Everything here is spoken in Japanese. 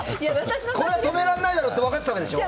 これは止められないだろって分かってたんですよね？